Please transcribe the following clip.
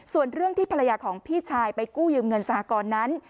ส่วนเรื่องที่ภรรยาของพี่ชายไปกู้ยืมเงินสหกรณ์นั้น